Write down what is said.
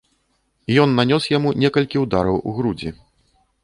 Ён нанёс яму некалькі ўдараў у грудзі.